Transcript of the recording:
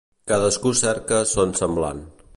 Cadascú cerca son semblant.